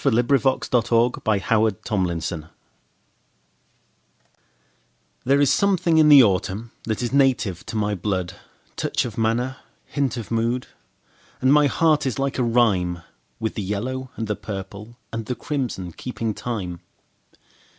Bliss Carman A Vagabond Song THERE is something in the autumn that is native to my blood—Touch of manner, hint of mood; And my heart is like a rhyme, With the yellow and the purple and the crimson keeping time.